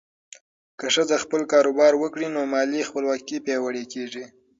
که ښځه خپل کاروبار وکړي، نو مالي خپلواکي پیاوړې کېږي.